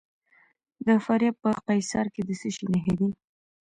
د فاریاب په قیصار کې د څه شي نښې دي؟